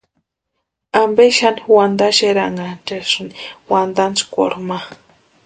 ¿Ampe xani wantaxeranhaxasïni wantantskwarhu ma?